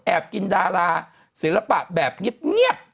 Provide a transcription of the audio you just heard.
กินดาราศิลปะแบบเงียบ